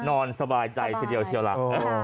นอนสบายใจทีเดียวเชียวล่ะ